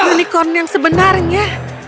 unicorn yang sebenarnya